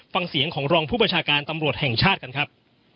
ฟังเสียงของรองผู้ประชาการตำรวจแห่งชาติกันครับ